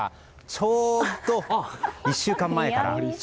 ちょうど、１週間前から。